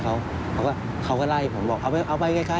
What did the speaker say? เฮ้ยเขากินข้าวหรือยังนะผมก็ถือข้าวไปให้เขา